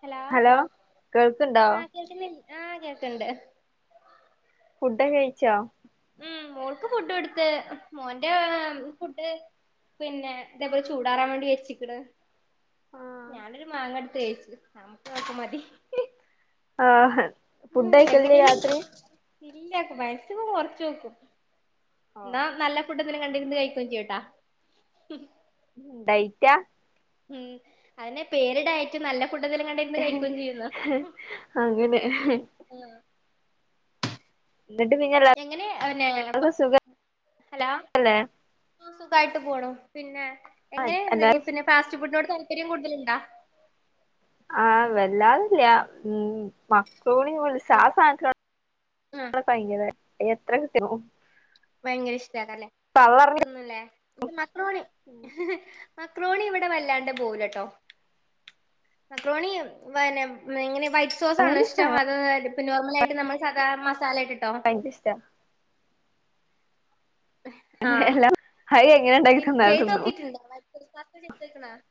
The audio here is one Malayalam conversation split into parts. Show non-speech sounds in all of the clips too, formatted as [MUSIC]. ഹലോ കേൾക്ക്ണ്ടോ ആ കേൾക്കന്നില്ലേ ആ കേൾക്കണ്ട് ഫുഡൊക്കെ കഴിച്ചോ ഉം മോൾക്ക് ഫുഡ് കൊടുത്ത് മോന്റെ ഫുഡ് പിന്നെ ഇതേപോലെ ചൂടാറാൻ വേണ്ടി വെച്ചിക്ക്ണ് ഞാനൊരു മാങ്ങ എടുത്ത് കഴിച്ചു നമക്ക് അതൊക്കെ മതി ആഹ് ഫുഡ് ഉം കഴിക്കലില്ലേ എങ്ങനെലും രാത്രി ഇല്ല മാക്സിമം കൊറച്ച് നോക്കും ഓ ന്നാ നല്ല ഫുഡ് എന്തെലും കണ്ടന്ന് കഴിക്കയും ചയ്യൂട്ടാ ഡയറ്റാ ഉം അതന്നെ പേരു ഡയട്ട് നല്ല ഫുഡ്‌ എന്തേലും കണ്ട അങ്ങനെ ഉം എന്നിട്ട്ങ്ങനെ എങ്ങനെ അവന്നെ ഹലോ സുഖല്ലേ ആഹ് സുഖായിട്ട് പോണു പിന്നെ എങ്ങനെയഈ എല്ലാരും പിന്നെ ഫാസ്റ്റ് ഫുഡിനോട് താല്പര്യം കൂടുതലുണ്ടാ ആഹ് വല്ലാതില്ല ഉം മക്കറോണി വിളിച്ച അല്ലെ ആ ആഹ് സാധനത്തി ഭയിയര എത്ര കൃത്യവും ഭയങ്കര ഇഷ്ടല്ലേ പള്ളർഞ്ഞ ന്നുംല്ലേ ഇത് മക്രോണി മക്രോണി ഇവിടെ വല്ലാണ്ട് പോവലട്ടോ മക്രോണി പിന്നെ ഇങ്ങനെ വൈ- സോസ ആണോ അങ്ങനത്തെ ഇഷ്ടം സാധനങ്ങള് അത് ഇപ്പോൾ നോർമലായിട്ട് നമ്മൾ സാദാ മസാലയിട്ടിട്ടോ അതിഷ്ടാ ആഹ് എല്ലാം അത് എങ്ങനെ ഉണ്ടാക്കി തന്നാലും ചെയ്ത് തിന്നും നോക്കിട്ടുണ്ടോ [UNINTELLIGIBLE]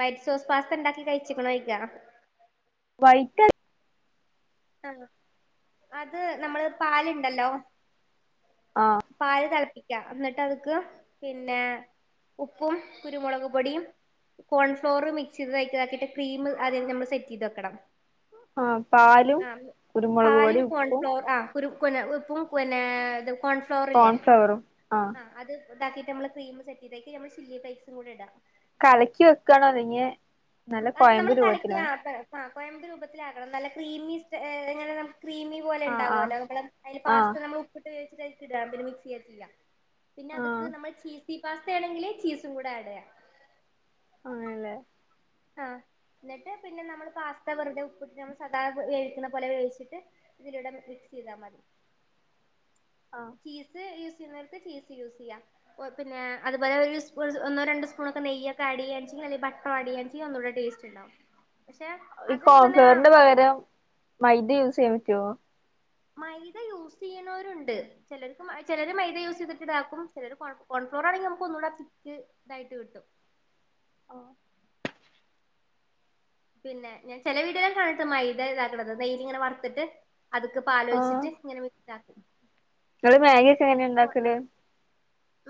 വൈറ്റ് സോസ് പാസ് ഉണ്ടാക്കി കഴിച്ചക്കണോ ഇല്ല വൈറ്റൽ ആഹ അത് നമ്മള് പാലുണ്ടല്ലോ ആഹ് പാൽ തിളപ്പിക്കാ എന്നിട്ട് അത്ക്ക് പിന്നെ ഉപ്പും കുരുമുളക് പൊടിയും കോൺഫ്ളോർ മിക്സ്ത്തഴക്കതാക്കിട്ട് ക്രീം അദ്യം നമ്മൾ സെറ്റ് ചെയ്ത് വെക്കണം ആഹ് പാ ആഹ് പാലും കോൺഫ്ലോർ ആ കു ഉപ്പും പിന്നെ ഇതും കോൺ ഫ്ലോറല്ലേ ആഹ് അത് ഉതാക്കിട്ട്മ്മ ക്രീം സെറ്റ് ചെയ്താക്കി നമ്മ ചീല്ലി പൈസും കൂടെ ഇടാ കലക്കി വെക്കണോ അല്ലെങ്കി നല്ല കോയമ്പ് രൂപത്തിലാണ് ആ്ഹ് കൊയമ്പ് രൂപത്തിലാക്കണം നല്ല ക്രീമി എങ്ങനെ ക്രീമി ഇ പോല ആഹ് ഉണ്ടാവുമല്ലോ നമ്മ അതി ആഹ് പാസ് നമ്മൾ ഉപ്പിട്ട് വിഇടണം പിന്നെ മിക്സ് ചെയ്യത്തില്ല പിന്നെ ആഹ് ആഹ് അതക്ക് നമ്മൾ ചീസി പാസ്തയാണെങ്കില് ചീസും കൂടെ ആഡ് ചെയ്യാം ആണല്ലേ! ആഹ്! എന്നിട്ട് പിന്നെ നമ്മൾ പാസ്ത വെറുത ഉപ്പിട്ട് നമ്മ സദാ വേവിക്കുന്ന പോലെ വേവിച്ചിട്ട് ഇതിലൂടെ മിക്സ് ചെയ്താൽ മതി ആഹ്! ചീസ് യൂസ് ചെയ്യുന്നവർക്ക് ചീസ് യൂസ് ചെയ്യാം പിന്നെ അതുപോലെ ഒരു സ്പൂണ് ഒന്നോ രണ്ട് സ്പൂണ് ഒക്കെ നെയ്യൊക്കെ ആഡ് ചെയ്യാ ബട്ടർ ആഡ് ചെയ്യാ ഒന്നൂടെ ടേസ്റ്റ് ഉണ്ടാവും പക്ഷെ ഈ അത് ഇങ്ങനെ കോൺഫ്ലവറിന്റെ പകരം മൈദ യൂസ് ചെയ്യാ പറ്റുവോ? മൈദ യൂസ് ചെയ്യുന്നവരുണ്ട്. ചിലർക്ക് ചിലര് മൈദ യൂ ചെയ്തിട്ട് ഇതാക്കും ചിലർ കോൺഫ്ലോർ ആണെങ്കിൽ നമു ഒന്നുകൂടെ പിക്ക്- ഇതായിട്ട് കിട്ടും. ആ. പിന്നെ ഞാൻ ചില വീഡിയോല് കാണിട്ട്മൈദാ ഇതാണ്ടത് നെയ്യിൽ ഇങ്ങനെ വർത്തിട്ട് അതൊക്കെ പാല് ആഹ് ഒഴിച്ചിട്ട് ഇങ്ങനെ മിക്സ് ആക്കും. നിങ്ങള് വാങ്ങി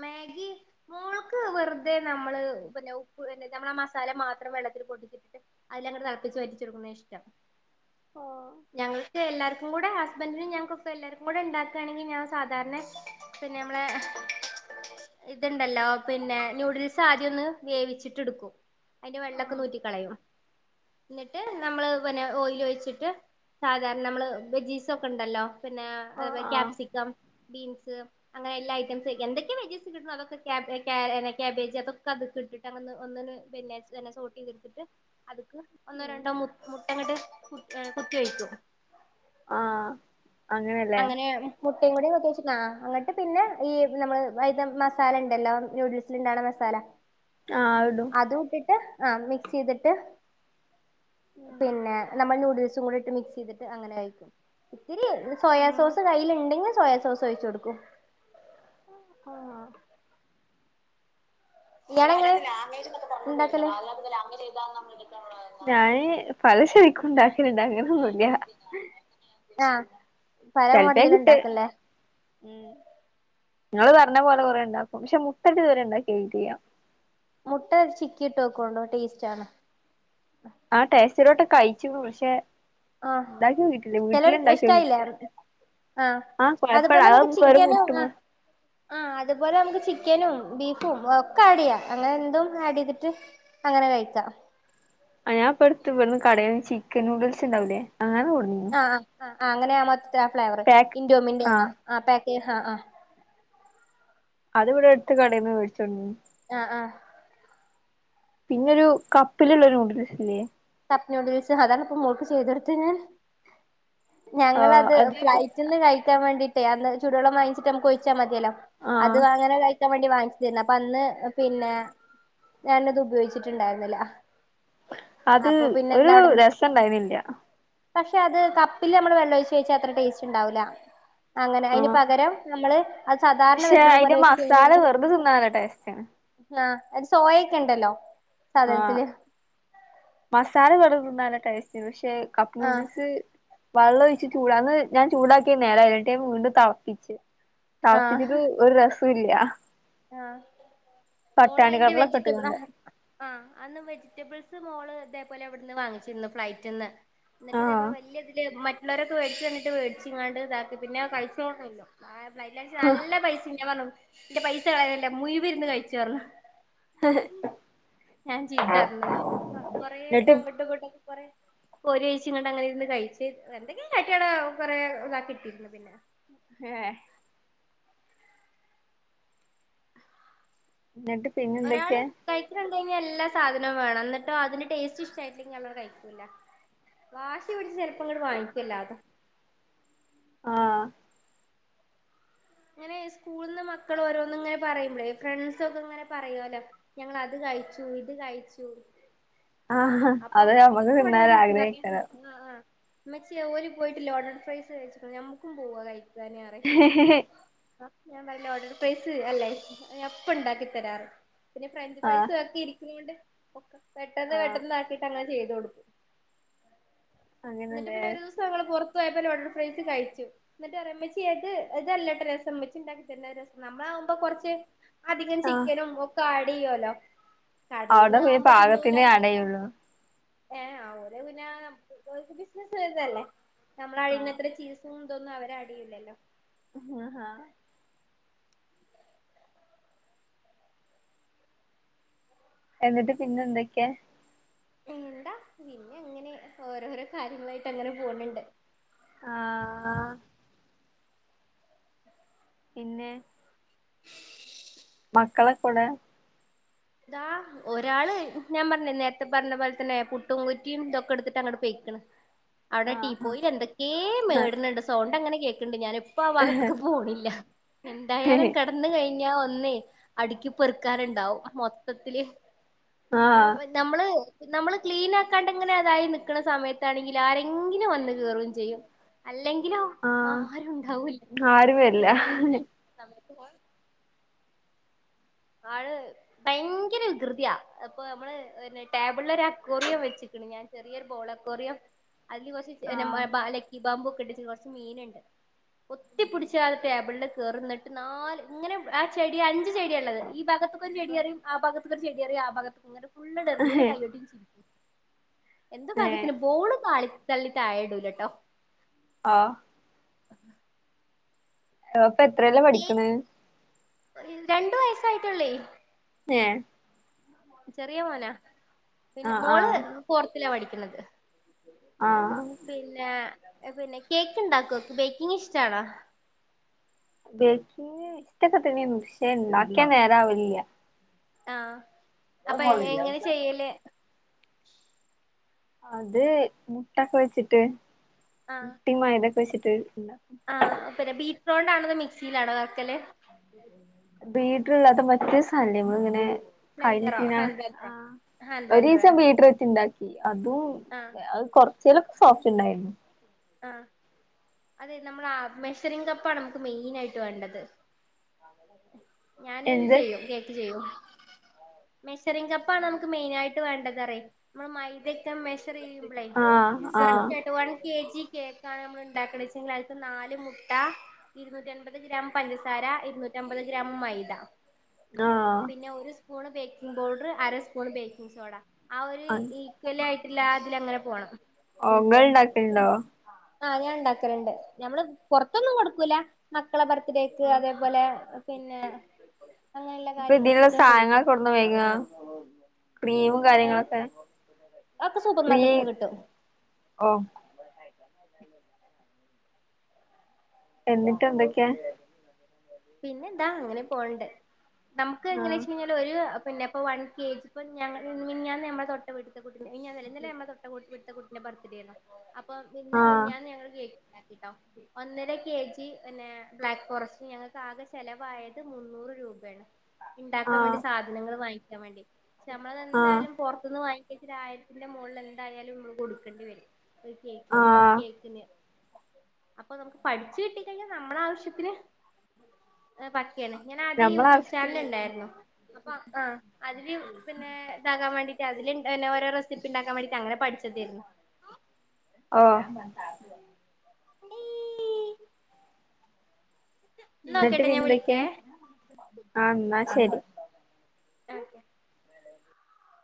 മാഗി സ്കൂളിൽ വെറുതെ നമ്മള് പിന്നെ ഉപ്പ് എന്ത നമ്മള് മസാല മാത്രം വെള്ളത്തിൽ പൊടിച്ചിട്ടിട്ട്. അതിലങ്ങട്ട് തിളപ്പിച്ച് പറ്റിച്ചെടുക്കുന്നത ഇഷ്ടം ആഹ് ഞങ്ങൾക്ക് എല്ലാവർക്കും കൂടെ ഹസ്ബൻറിനും ഞങ്ങൾക്കും എല്ലാവർക്കും കൂടെണ്ടാക്കുകയാണെങ്കിൽ ഞാൻ സാധാരണ- പിന്നെ നമ്മള ഇതുണ്ടല്ലോ പിന്നെ ന്യൂഡിൽസ് ആദ്യം ഒന്ന് വേവിച്ചിട്ട് എടുക്കും. അതിന്റെ വെള്ളൊക്കെ ഒന്ന് ഊറ്റി കളയും. എന്നിട്ട് നമ്മള് പിന്നെ ഓയില് ഒഴിച്ചിട്ട് സാധാരണ നമ്മള് വെജിസ്‌ ഒക്കെ ഉണ്ടല്ലോ. പിന്നെ അത് ആഹ് ആഹ് കാപ്സിക്കം ബീൻസ്- അങ്ങനെ എല്ലാ ഐറ്റംസ് എന്തൊക്കെ വെജസ് കിട്ടുന്നു അതൊക്കെ ക്യാബജ് അതൊക്കെ അത് ഇട്ടിട്ട്. ഒന്ന് ഒന്നെ സോട്ട് ചെയ്തെടുത്തിട്ട് അത്ക്ക്- ഒന്നോ ഉം രണ്ടോ മു മുട്ടങ്ങോട്ട് കുത്തി ഒഴിക്കും ആഹ അങ്ങനെയാണ്. മുട്ടയും കൂടി ഒഴിച്ച് അങ്ങോട്ട് പിന്നെ ഈ നമ്മള് അത് മസാല ഉണ്ടല്ലോ ന്യുഡിൽസിന്റെ ഉണ്ടാക്കുന്ന മസാല- ആഹ് അതിടും അതും ഇട്ടിട്ട് മിക്സ് ചെയ്തിട്ട് പിന്നെ നമ്മൾ ന്യൂഡിൽസും കൂടി ഇട്ടി മിക്സ് ചെയ്തിട്ട് അങ്ങനെ കഴിക്കും ഇത്തിരി സോയാ ആഹ് സോസ് കയ്യിൽ ഉണ്ടെങ്കിൽ സോയാ സോസ് ഒഴിച്ചു കൊടുക്കും. ഓ ആഹ.. ഇയാൾ എങ്ങനെ ഉണ്ടാക്കല്? ഞാന് പല ശരിക്കും ഉണ്ടാക്കലുണ്ട് അങ്ങനെയൊന്നുമില്ല. ആഹ [UNINTELLIGIBLE] ഇട്ട്. ഉം ഇങ്ങള് പറഞ്ഞ പോലെ കൊറെ ഉണ്ടാക്കും പക്ഷേ മുട്ടയിട്ട് ഇതുവരെ ഉണ്ടാക്കിയിട്ടില്ല. മുട്ട ചിക്കി ഇട്ട് വെക്കണ്ടോ ടേസ്റ്റ് ആണോ ആ ടേസ്റ്റാ ഒരുവട്ടം കഴിച്ചിനു പക്ഷേ- ആഹ് ചിലവർ നോക്കിട്ടില്ല ഇഷ്ടായില്ലേരുന്നു ആഹ ആ അതുപോലെ കൊഴപ്പല്ല അത് നമുക്ക് വെറും ചിക്കന് മുട്ടുമ്മ ആഹ- ആഹ അതുപോലെ നമുക്ക് ചിക്കനും ബീഫും ഒക്കെ ആഡ് ചെയ്യാം അങ്ങനെ എന്തും ആഡ് ചെയ്തിട്ട്- അങ്ങനെ കഴിക്കാം. ആ, ഞാൻ ഇപ്പടുത്ത് ഇവിടുന്ന് കടയില് ചിക്കൻ ന്യൂഡിൽസ് ഉണ്ടാകുലെ അങ്ങനെ കൊടുന്നിന്നു. ആ ആ ആ അങ്ങനെയ മറ്റേ ആ ഫ്ലേവർ, ഇൻറോമിന്റെ ആ പാക്ക് ആ ആ- അത് ഇവിടെടുത്ത് കടയിൽ നിന്ന് മേടിച്ചു കൊടുന്നിനും. ആ, ആ. പിന്നൊരു കപ്പിലുള്ള ന്യൂഡിൽസ് ഇല്ലേ. കപ്പ് നൂഡിൽസ് അതാണ് ഇപ്പോ മോൾക്ക് ചെയ്തെടുത്തിനെ, ആ ഞങ്ങളാത് അത് ഫ്ലൈറ്റ് ഫ്ലൈറ്റ്ന്ന് കഴിക്കാൻ വേണ്ടി യിട്ടേ അന്ന് ചൂടു വെള്ളം വാങ്ങിച്ചിട്ട് നമ്മുക്ക് ഒഴിച്ചാ മതിലോ, ആ അത് അങ്ങനെ കഴിക്കാൻ വേണ്ടി വാങ്ങിച്ച- പിന്നെ അപ്പോ അന്ന് പിന്നെ ഞാനത് ഉപയോഗിച്ചിട്ടുണ്ടായിരുന്നില്ല. അത് അപ്പൊ ഒരു രസമുണ്ടായിരുന്നില്ല. പക്ഷേ അത് കപ്പില് നമ്മള് വെള്ളൊഴിച്ച് കഴിച്ചാ അത്ര ടേസ്റ്റ് ഉണ്ടാവൂല. അങ്ങനെ അതിന് ആ പകരം നമ്മള് അത് സാധാരണ പക്ഷെ വെക്കണ് പോലെ അയിന്റെ വച്ച് മസാല കഴിഞ്ഞാല്- വെറുതെ തിന്നാൻ നല്ല ടേസ്റ്റാണ് ആ, അത് സോയൊക്കെ ഉണ്ടല്ലോ ആ സാധനത്തില്- മസാല വെറും തിന്നാൻ നല്ല ടേസ്റ്റ് ഉണ്ട്. പക്ഷേ കപ്പ് ആഹ് ന്യൂഡിൻസ് വെള്ളം ഒഴിച്ച് ചൂടാന്ന് ഞാൻ ചൂടാക്കിയ നേരായില്ല. വിണ്ടും തളപ്പിച്ച് തളപ്പിച്ചിട്ട് ഒരു രസം ഇല്ല. ആ, മോള പട്ടാണി അതിന്റെ കടലൊക്കെ വെജിറ്റബിളാ ഇട്ട്കാണ്ട് ആ, അന്ന് വെജിറ്റബിൾസ് മോള് ഇതെ പോലെ ഇവിടുന്നു വാങ്ങിച്ചിരുന്നു ഫ്ലൈറ്റ് നിന്ന്. എന്നിട്ട് ആഹ് ഇതേപലെ വലിയ ഇതില് മറ്റുള്ളവരൊക്കെ മേടിച്ച്ന്നിട്ട് മേടിച്ച് ഇങ്ങാണ്ട് ഇതാക്കി. പിന്നെ കഴിച്ചോന്നില്ല. ആ, ഫ്ലൈറ്റില ച്ച നല്ല പൈസ ഞാൻ പറഞ്ഞു. ഇന്റെ പൈസ കളയല്ലേ മുയുവൻ ഇരുന്നു കഴിചോ പറഞ്ഞു. എഹ്, ഞാൻ ചീത്ത പറഞ്ഞു. കൊറെേ എന്നിട്ട് അങ്ങോട്ടും ഇങ്ങോട്ടൊക്കെ കൊറെ കേരിഴച്ചി ഇങ്ങണ്ട് അങ്ങനെ ഇരുന്ന് കഴിച്ച്. എന്തെങ്കും കട്ടിയടെ കൊറെേ ഇതാക്കിട്ടിരുന്നു പിന്നെ ഏ. എന്നിട്ട് പിന്നെ എന്തൊക്കെ? കഴിക്ണ്കണ്ടാൽ എല്ലാ സാധനവും വേണം. എന്നിട്ട് അതിന്റെ ടേസ്റ്റ് ഇഷ്ടമായിട്ടില്ലെങ്കിൽ അവൾ അങ്ങട് കഴിക്കൂല. വാശി പിടിച്ച് ചെലപ്പോം ഇങ്ങട് വാങ്ങിക്കും എല്ലാതും. ആ. ഇങ്ങനെ സ്കൂളിൽ നിന്ന് മക്കൾ ഓരോന്ന് ഇങ്ങനെ പറയുമ്പോളേ, ഫ്രണ്ട്സ് ഒക്കെ ഇങ്ങനെ പറയല്ലോ ഞങ്ങൾ അത് കഴിച്ചു ഇത് കഴിച്ചു. ആ, അപ്പൊ അത് നമ്മക്ക് അതൊക്കെ തിന്നാൻ ആഗ്രഹെകാരം. ഇമ്മച്ചി ഓൽ പോയിട്ട്ല്ലെ ലോണഡ് ഫൈസ് കയിച് ക്ണ്. നമ്മുക്കും പോവ കഴിക്കാന് പറയും. ആ, ഞാൻ വല്ല ലോണഡ് ഫെസ് അല്ലേ. ഞാൻ ഇപ്പം ഇണ്ടാക്കി തരാം പറയും. പിന്നെ ഫ്രഞ്ച് ആഹ് ഫൈസും ഒക്കെ ഇരിക്കുന്നണ്ട്ക്ക പെട്ടെന്ന് ആഹ് പെട്ടെന്ന് ചെയ് ത് കൊടുക്കും. എന്നിട്ട് അങ്ങനെല്ലേ പിന്നെ ഒരു ഞങ്ങൾ പുറത്തുപോയപ്പോൾ ലോണഡ് ഫ്രൈസ് കഴിച്ചു. എന്നിട്ട്പറയും, ഇമ്മച്ചി ഇത് ഇതല്ലട്ടൊ രസം. ഇമ്മച്ചി ഉണ്ടാക്കി തരണ രസം. നമ്മള ആകുമ്പോ കുറച്ച് അധികം ആഹ് ചിക്കനും ഒക്കെ ആഡ് ചെയ്യുവല്ലോ. അവിടെ കടയിൽന്ന് പിന്നെ പാകത്തിനേ അടേയുള്ളൂ. ഏ, ഓൽ പിന്നേ ബിസിനസ് ബിസിനസ്സ് തന്നെ അല്ലേ. നമ്മള അടിയുന്ന ത്ര ചീസുംതൊന്നും അവരെ അടിയില്ലല്ലോ. ആ, ആ. എന്നിട്ട് പിന്നെ എന്തൊക്കെ? എന്താ പിന്നെ അങ്ങനെ ഓരോരോ കാര്യങ്ങളായിട്ട് അങ്ങനെ പോണണ്ട്. ആ. പിന്നെ മക്കളൊക്കെവിടെ ഇതാ ഒരാള് ഞാൻ പറഞ്ഞില്ലേ നേരത്തെ പറഞ്ഞ പോലെ തന്നെ പുട്ടും കുറ്റിയും ഇതൊക്കെ എടുത്തിട്ട് അങ്ങട്ട് പൊയ്ക്കണ് ആ അവിടെ ടീ പോയിൽ എന്തൊക്കെ മേട്ണ് ണ്ട് സൗണ്ട് അങ്ങനെ കേക്ക്‌ണ്ട് ഞാന് ഇപ്പോ ആ ആഹ് ഭാഗത്ത്ക്ക്‌ പോണില്ല എന്തായാലും കെടക്ക് ന്ന് കഴിഞ്ഞ ഒന്നേ അടുക്കി പെറുക്കാന്ണ്ടാവും മൊത്തത്തില് നമ്മള് നമ്മള് ക്ലീൻ ആക്കാണ്ട്ങ്ങനെ അതായി നിക്കണ സമയത്താണെങ്കില് ആരെങ്കിലും വന്ന് കേറും ചെയ്യും അല്ലെങ്കിലോ ആഹ് ആരും ഉണ്ടാവൂല്ല ഫുള്ള് ആരുമില്ല ക്ലീന് ആത് സമയത്ത് പോ ആള് ഭയങ്കര വികൃതിയാ ഇപ്പൊ നമ്മള് ടേബിളിൽ ഒരു അക്കോറിയം വെച്ചിക്ക്‌ണ് ഞാൻ ചെറിയൊരു ബോള് അക്വാറിയം അതില് കൊറച്ച് ലക്കി ബാമ്പു ഒക്കെണ്ട് കുറച്ച് മീന്ണ്ട് പൊത്തി പിടിച്ചാണ്ട് ടേബിളില് കേറും ന്നിട്ട് നാല് ഇങ്ങനെ ആ ചെടി അഞ്ച് ചെടിയാള്ളത് ഈ ഭാഗത്ത്ക്കൊരു ചെടിയെറിയും ആ ഭാഗത്ത്ക്കൊരു ചെടിയെറിയും ആ ഭഗത്ത് ഇങ്ങനെ ഫുള്ള് ഇണ്ടെറിയും ഇന്നിട്ട് ആഹ് കൈ കൊട്ടി ചരിക്കും എന്ത് ഏ ഭാഗ്യത്തിനാ ബോള് തളി തള്ളി താഴെ ഇടൂലട്ടോ ആഹ് അപ്പൊ എത്രേലാ പഠിക്ക്‌ണത് ഏഹ് രണ്ടു വയസായിട്ടൊള്ളേ ഏഹ് ചെറിയ മോനാ പിന്നെ ആഹ് മോള് ആഹ് ഫോർത്തില പഠിക്കുന്നത്. ആഹ് ആഹ് പിന്നെ പിന്നെ കേക്ക് ഉണ്ടാക്കൊ ബേക്കിങ് ഇഷ്ട്ടാണോ? ബേക്കിങ് ഇഷ്ട്ടൊക്കെ തന്നേർന്നു പക്ഷെ ഇണ്ടാക്കിയാൽ നേരാവലില്ല. ആഹ് അപ്പൊ എങ്ങനെ ചെയ്യല്. അത് മുട്ടൊക്കെ വെച്ചിട്ട് ആഹ് മുട്ടി മൈദ ഒക്കെ വെച്ചിട്ട് ഇണ്ടാക്കും ആഹ് പിന്നെ ബീറ്റ്റോണ്ട് ആണോ മിക്സിയിലാണോ ആക്കല്. ബീറ്റർ അല്ലാത്ത മറ്റേ സാദനം ല്ലേ നമ്മളിങ്ങനെ ബ്ലെൻഡറോ കയ്യിലിട്ടിങ്ങനെ ഹാൻഡ് ബ്ലെൻഡറോ ആ ഹാൻഡ് ബ്ലെൻഡർ ഒരീസം ബീറ്റർ വെച്ചുണ്ടാക്കി അതും ആഹ് അത് കൊറച്ചേലൊക്കെ സോഫ്റ്റ് ഉണ്ടായിരുന്നു. ആഹ് അതെ നമ്മളെ ആ മെഷറിംങ്‌ കപ്പാണ് നമുക്ക് മെയിൻ ആയിട്ട് വേണ്ടത്. ഞാന് എന്ത് ചെയ്യും കേക്ക് ചെയ്യും. മെഷറിങ്ങ് കപ്പാണ് നമുക്ക് മെയിനായിട്ട് വേണ്ടത് പറയ് നമ്മള് മൈദക്കെ മെഷ് ഷറ് ചെയ്യുമ്പളെ ആഹ് ആഹ് കറക്റ്റ് ആയിട്ട് വൺ കെ ജി കേക്കാണ് നമ്മള് ഉണ്ടാക്കണച്ചെങ്കിൽ അയ്ക്ക് നാല് മുട്ട. ഇരുന്നൂറ്റി അൻപത് ഗ്രാം പഞ്ചസാര ഇരുന്നൂറ്റി അമ്പത് ഗ്രാം മൈദ. ആഹ് പിന്നെ ഒരു സ്പൂണ് ബേക്കിംഗ് പൗഡറ് അര സ്പൂണ് ബേക്കിംഗ് സോഡ ആ ഒരു അ ഈ ഈക്വൽ ആയിട്ടില്ല ആതില് അങ്ങനെ പോണം ഓഹ് ഇങ്ങൾ ഇണ്ടാക്കലുണ്ടോ? ആ ഞാൻ ഉണ്ടാക്കലുണ്ട് ഞമ്മള് പൊറത്തൊന്നും കൊടുക്കൂല മക്കളെ ബർത്ത്ഡേ ക്ക് ആഹ് അതേപോലെ പിന്നെ അങ്ങനെയുള്ള കാര്യങ്ങൾക്കൊക്കെ കൊടുക്കും. [UNINTELLIGIBLE] ക്രീംമും ഏഹ് കാര്യങ്ങളൊക്കെ അതൊക്കെ സൂപ്പർ ക്രീം മാർക്കറ്റിന്ന് കിട്ടും ഓഹ് എന്നിട്ട് എന്തൊക്കെ? പിന്നെ എതാ അങ്ങനെ പോണണ്ട് നമുക്ക് എങ്ങനെ ആഹ് വെച്കഴിഞ്ഞാല് ഒരു പിന്നെപ്പോ വൺ കെ ജി പ്പോ ഞങ്ങ മിഞാന്നു നമ്മെ തൊട്ട തൊട്ട വീട്ടിത്തെ കുട്ടീന്റെ മിഞ്ഞാന്ന് അല്ല ഇന്നലെ മ്മളെ തൊട്ട വീട്ടിത്തെ കുട്ടിന്റെ ബർത്ത്ഡേഏര്ന്നു അപ്പ ഇന്ന് ആഹ് മിനിഞ്ഞാന്ന് ഞങ്ങൾ ണ്ടാക്കിട്ടോ ഒന്നര കെ ജി പിന്നെ ബ്ലാക്ക് ഫോറസ്റ്റ് ഞാൻ ആകെ ചെലവായത് മുന്നൂറ് രൂപയാണ് ഉണ്ടാക്കാൻ വേണ്ടി ആഹ് സാധനങ്ങൾ വാങ്ങിക്കാൻ വേണ്ടി ആഹ് നമ്മളതന്തായാലും പുറത്തുനിന്ന് വാങ്ങിച്ച ആയിരത്തിന്റെ മുകളിൽ ന്തായാലും നമ്മള് കൊടുക്കേണ്ടി വരും. ഒരു കേക്ക് ആഹ് കേക്കിന് അപ്പൊ നമുക്ക് പഠിച്ചു കിട്ടിക്കഴിഞ്ഞാൽ നമ്മളെ ആവശ്യത്തിന്. പക്കയാണ്. ഞാൻ ആദ്യം നമ്മള യൂട്യൂബ് ചാനൽ ആവശ്യത്തിന് ഉണ്ടായിരുന്നു അപ്പൊ ആഹ് അ അതില് പിന്നെ ഇതാകാൻ വേണ്ടിയിട്ട് അതില് പിന്നെ ഓരോ റെസിപ്പി ഉണ്ടാക്കാൻ വേണ്ടിട്ട് അങ്ങനെ പഠിച്ചതായിരുന്നു. ആഹ് [UNINTELLIGIBLE] എന്നാ ന്നിട്ട് ഓക്കേട്ടോ ഞാൻ പിന്നെന്തൊക്കെ വിളിക്കേ ആന്നാശരി. [INAUDIBLE]